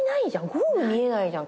ゴール見えないじゃん